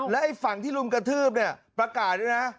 และไอ้ฝั่งที่รุมกระทืบเนี่ยประกาศด้วยนะ